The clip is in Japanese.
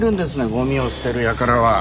ゴミを捨てるやからは。